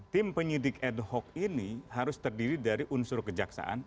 tim penyidik ad hoc ini harus terdiri dari unsur kejaksaan